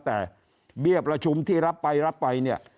แต่เบี้ยประชุมที่รับไปรับไปเนี่ย